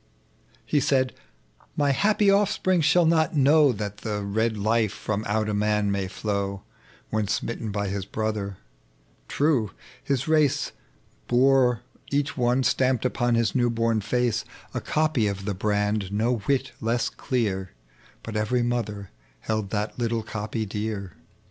.tec bv Google THE LEGEND OF JUBAL. He aaid, " My happy offspring shall not know That the red life from out a man may flow When smitten by his brother," Trae, his race Bore each one stamped npon his new boni face A copy of the brand no whit less clear ; But every mother held that little copy dear.